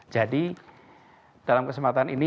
jadi dalam kesempatan ini